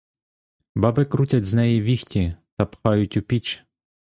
Баби крутять з неї віхті та пхають у піч.